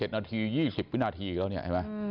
อ๋อ๗นาที๒๐วินาทีแล้วเนี่ย